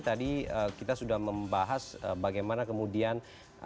tadi kita sudah membahas bagaimana kemudian